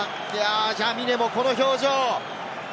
ジャミネもこの表情。